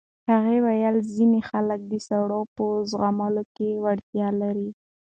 هغې وویل ځینې خلک د سړو په زغملو کې وړتیا لري.